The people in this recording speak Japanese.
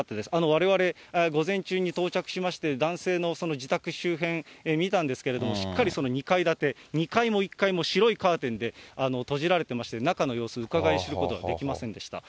われわれ、午前中に到着しまして、男性の自宅周辺、見たんですけれども、しっかり２階建て、２階も１階も白いカーテンで閉じられてまして、中の様子、うかがい知ることはできませんでした。